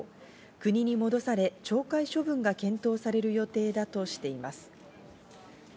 国に戻され、懲戒処分が検討される予定だとしています。